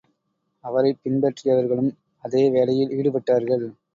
அவரைப் பின்பற்றியவர்களும் அதே வேலையில் ஈடுபட்டார்கள்.